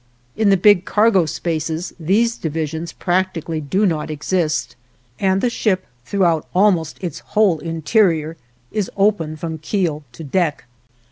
In the big cargo spaces, these divisions practically do not exist, and the ship, throughout almost its whole interior, is open from keel to deck.